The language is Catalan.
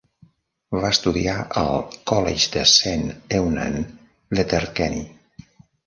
Va estudiar al College de Saint Eunan, Letterkenny.